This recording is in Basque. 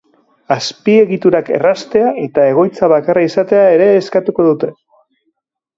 Azpiegiturak erraztea eta egoitza bakarra izatea ere eskatuko dute.